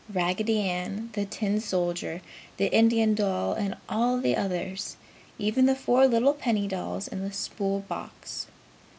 Raggedy Ann, the tin soldier, the Indian doll and all the others even the four little penny dolls in the spool box.